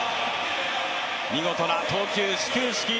見事な投球、始球式。